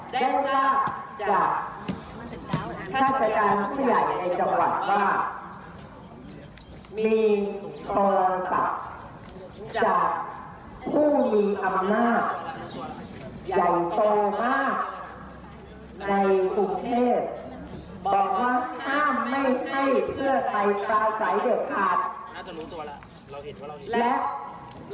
จากผู้มีอำมาตย์ใหญ่โตมากในกรุงเทพฯบอกว่าข้ามไม่ให้เพื่อใครประสัยเดือดพันธุ์